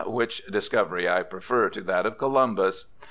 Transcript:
which discovery I prefer to that of Columbus.'